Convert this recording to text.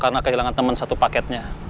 karena kehilangan teman satu paketnya